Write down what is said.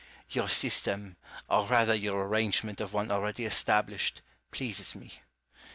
Your system, or rather your arrange ment of one already established, pleases me.